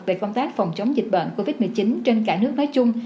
về công tác phòng chống dịch bệnh covid một mươi chín trên cả nước nói chung